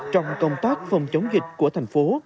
trong công tác phòng chống dịch của thành phố